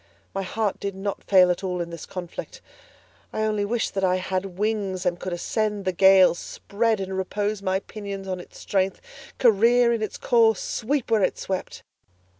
My heart did not fail at all in this conflict; I only wished that I had wings and could ascend the gale, spread and repose my pinions on its strength, career in its course, sweep where it swept.